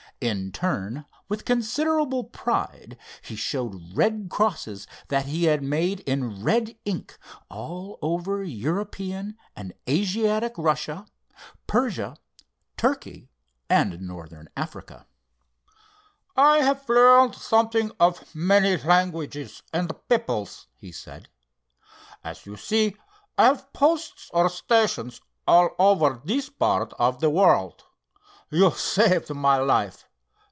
In turn, with considerable pride he showed red crosses he had made in red ink all over European and Asiatic Russia, Persia, Turkey and Northern Africa. "I have learned something of many languages and peoples," he said. "As you see, I have posts or stations all over this part of the world. You saved my life.